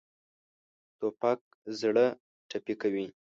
توپک زړه ټپي کوي.